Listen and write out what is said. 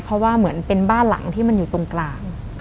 เพราะว่าเหมือนเป็นบ้านหลังที่มันอยู่ตรงกลาง